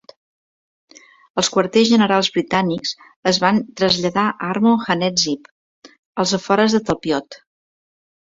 Els quarters generals britànics es van traslladar a Armon HaNetziv, als afores de Talpiot.